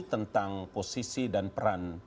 tentang posisi dan peran